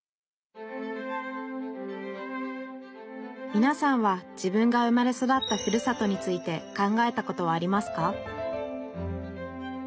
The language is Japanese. みなさんは自分が生まれ育ったふるさとについて考えたことはありますか？